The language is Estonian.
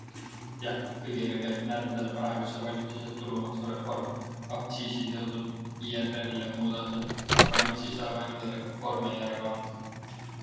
Jah, kõigile käib närvidele praeguse valitsuse tulumaksureform, aktsiisitõusud, IRL ja muud asjad, aga miks ei saa valida Reformierakonda?